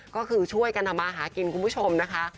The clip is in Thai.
ก็คือช่วยกันทำมาหากินคุณผู้ชมนะคะ